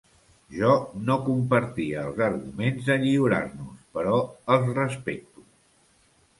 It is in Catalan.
Jo no compartia els arguments de lliurar-nos, però els respecto.